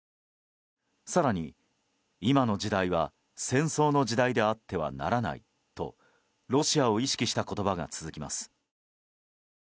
更に、今の時代は戦争の時代であってはならないとロシアを意識した言葉が続きます。